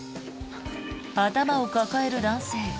頭を抱える男性。